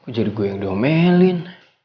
kok jadi gue yang domelin